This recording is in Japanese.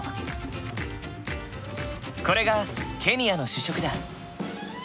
これがケニアの主食だ。